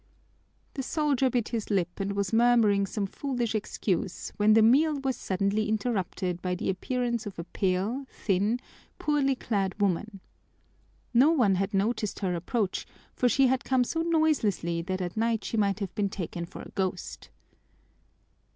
The soldier bit his lip and was murmuring some foolish excuse, when the meal was suddenly interrupted by the appearance of a pale, thin, poorly clad woman. No one had noticed her approach, for she had come so noiselessly that at night she might have been taken for a ghost.